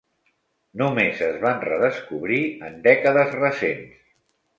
Només es van redescobrir en dècades recents.